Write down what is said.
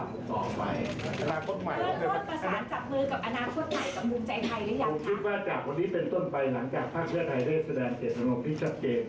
ผมคิดว่าจากวันนี้เป็นต้นไปหลังจากภาคเชียร์ไทยได้แสดงเศรษฐนกที่ชัดเกม